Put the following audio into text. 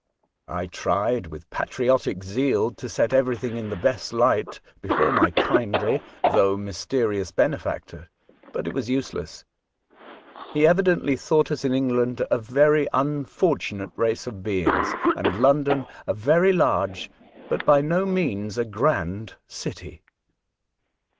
I tried with patriotic zeal to set everything in the best light before my kindly, though mysterious, benefactor, but it was use less. He evidently thought us in England a very unfortunate race of beings, and London a very large, but by no means a grand, city.